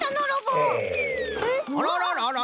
あららららら？